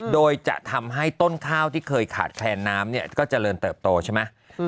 โดยจะทำให้ต้นข้าวที่เคยขาดแคลนน้ำเนี่ยก็เจริญเติบโตใช่ไหม